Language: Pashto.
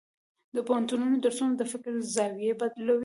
د پوهنتون درسونه د فکر زاویې بدلوي.